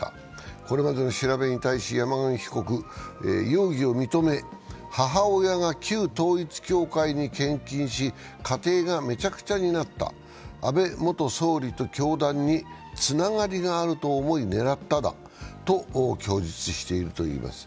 これまでの調べに対し山上被告は容疑を認め母親が旧統一教会に献金し家庭がめちゃくちゃになった、安倍元総理と教団につながりがあると思い、狙ったなどと供述しているといいます。